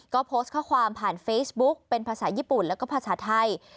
ก็โพสต์ข้อความผ่านเฟซบุ๊กเป็นภาษาญี่ปุ่นแล้วก็ภาษาไทย